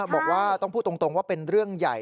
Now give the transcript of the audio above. บอกว่าต้องพูดตรงว่าเป็นเรื่องใหญ่